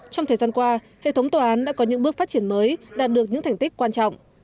trong thời gian qua hệ thống tòa án đã có những bước phát triển mới đạt được những thành tích quan trọng